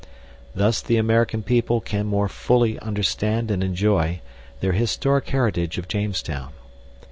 Thus the American people can more fully understand and enjoy their historic heritage of Jamestown.